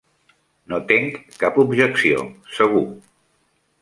No tenc cap objecció, segur.